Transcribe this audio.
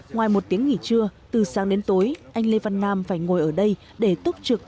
ngoài một tiếng nghỉ trưa từ sáng đến tối anh lê văn nam phải ngồi ở đây để tức trực